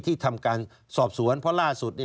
ที่ทำการสอบสวนเพราะล่าสุด